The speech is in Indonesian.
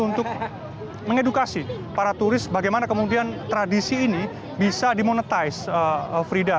untuk mengedukasi para turis bagaimana kemudian tradisi ini bisa dimonetize frida